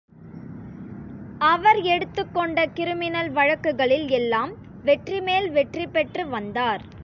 அவர் எடுத்துக் கொண்ட கிரிமினல் வழக்குகளில் எல்லாம் வெற்றிமேல் வெற்றி பெற்று வந்தார்.